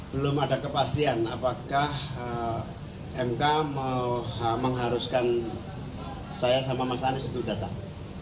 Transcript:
belum ada kepastian apakah mk mengharuskan saya sama mas anies untuk datang